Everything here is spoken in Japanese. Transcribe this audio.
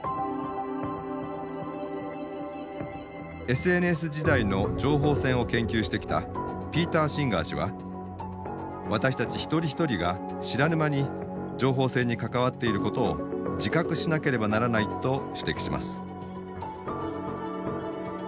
ＳＮＳ時代の情報戦を研究してきたピーター・シンガー氏は私たち一人一人が知らぬ間に情報戦に関わっていることを自覚しなければならないと指摘します。